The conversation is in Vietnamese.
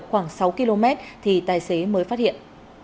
khoảng sáu km thì tài xế mới phát hiện